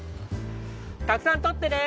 たくさんとってね！